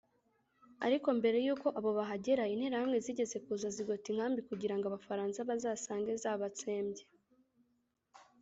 ariko mbere y’uko abo bahagera interahamwe zigeze kuza zigota inkambi kugira ngo Abafaransa bazasange zabatsembye